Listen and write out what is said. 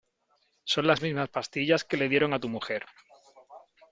son las mismas pastillas que le dieron a tu mujer .